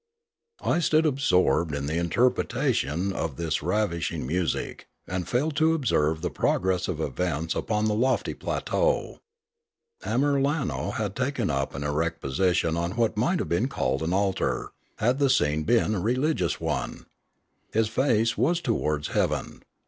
I stood absorbed in the interpretation of this ravish ing music, and failed to observe the progress of events upon the lofty plateau. Amiralno had taken up an erect position on what might have been called an altar, had the scene been a religious one. His face was to wards heaven.